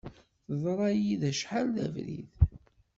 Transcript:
Teḍra-yi-d acḥal d abrid.